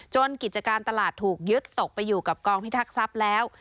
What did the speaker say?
กิจการตลาดถูกยึดตกไปอยู่กับกองพิทักษัพแล้ว